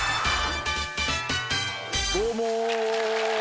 どうも！